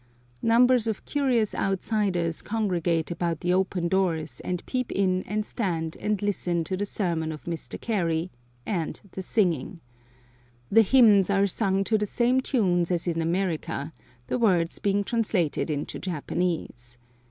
Numbers of curious outsiders congregate about the open doors and peep in and stand and listen to the sermon of Mr. Carey, and the singing. The hymns are sung to the same tunes as in America, the words being translated into Japanese.